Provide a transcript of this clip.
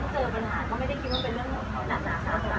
ก็เลยตอนนั้นที่เจอปัญหาก็ไม่ได้คิดว่าเป็นเรื่องหนึ่งของเขานะ